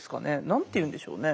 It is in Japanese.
何て言うんでしょうね。